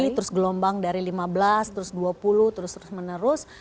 terus gelombang dari lima belas terus dua puluh terus terus menerus